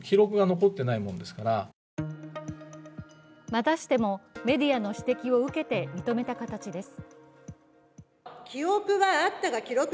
またしてもメディアの指摘を受けて認めた形です。